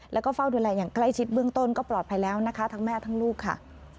แล้วก็เฝ้าดูแลอย่างใกล้ชิดเบื้องต้นก็ปลอดภัยแล้วนะคะทั้งแม่ทั้งลูกค่ะ